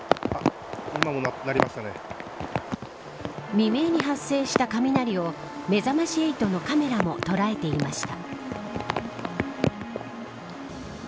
未明に発生した雷をめざまし８のカメラも捉えていました。